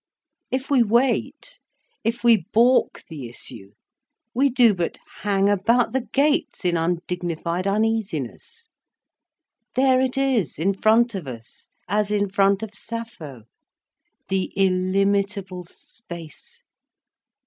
If we wait, if we baulk the issue, we do but hang about the gates in undignified uneasiness. There it is, in front of us, as in front of Sappho, the illimitable space.